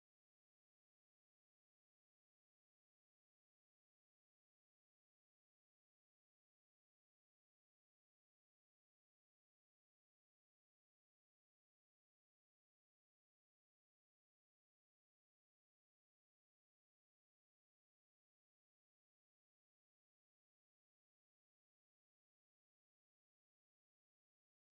ya sudah pak kami mau hidupin absolutamente serius